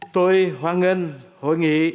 tôi hoan nghênh hội nghị